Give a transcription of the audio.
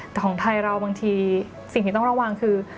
แต่ของไทยเราบางทีสิ่งที่ต้องระวังคือ